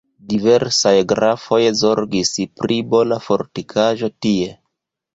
Diversaj grafoj zorgis pri bona fortikaĵo tie.